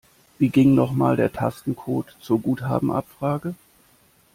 Wie ging noch mal der Tastencode zur Guthabenabfrage?